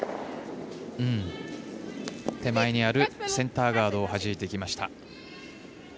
手前にあるセンターガードをはじいてきました。